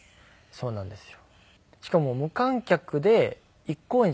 そうなんですよ。